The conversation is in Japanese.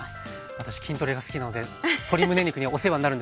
私筋トレが好きなので鶏むね肉にお世話になるんですが楽しみです。